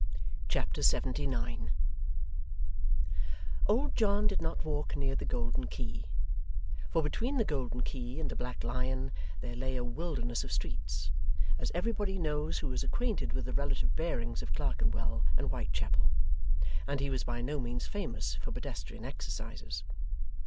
Chapter 79 Old John did not walk near the Golden Key, for between the Golden Key and the Black Lion there lay a wilderness of streets as everybody knows who is acquainted with the relative bearings of Clerkenwell and Whitechapel and he was by no means famous for pedestrian exercises.